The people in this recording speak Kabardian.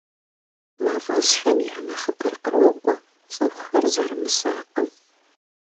Мафӏэсхэм я нэхъыбэр кърокӏуэ цӏыхухэр зэрымысакъым.